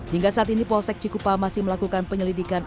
hingga saat ini polsek cikupa masih melakukan penyelidikan